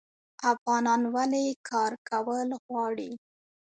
افغانان ولې کار کول غواړي؟